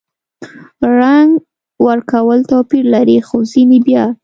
رنګ ورکول توپیر لري – خو ځینې بیا